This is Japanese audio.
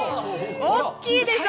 大きいでしょ